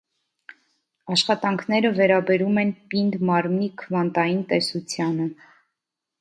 Աշխատանքները վերաբերում են պինդ մարմնի քվանտային տեսությանը։